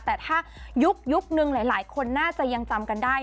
แต่ถ้ายุคนึงหลายคนน่าจะยังจำกันได้